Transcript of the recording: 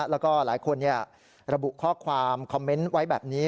แล้วก็หลายคนระบุข้อความคอมเมนต์ไว้แบบนี้